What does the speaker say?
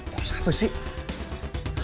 puas apa sih